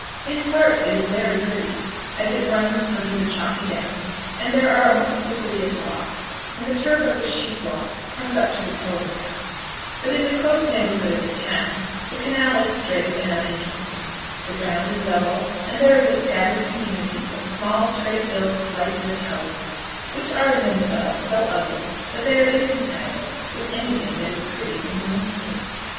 In parts it is very pretty, as it runs under the chalky downs, and there are a multiplicity of locks, and the turf of the sheep walks comes up to the towing path; but in the close neighbourhood of the town the canal is straight and uninteresting; the ground is level, and there is a scattered community of small, straight built light brick houses, which are in themselves so ugly that they are incompatible with anything that is pretty in landscape.